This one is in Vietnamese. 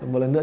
một lần nữa